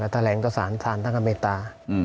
แถวแหลงตัวศาลศาลทางเมตตา